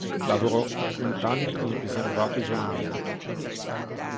Lavorò per trent'anni in riservato isolamento.